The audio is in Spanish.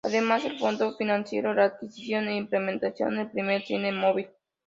Además el fondo financió la adquisición e implementación del primer cine móvil.